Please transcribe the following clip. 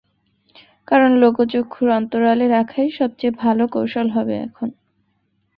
কারন লোকচক্ষুর অন্তরালে রাখাই সবচে ভালো কৌশল হবে এখন।